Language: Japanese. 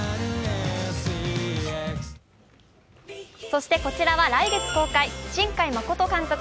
そして、こちらは来月公開、新海誠監督